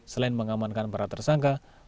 selain mengamankan para tersangka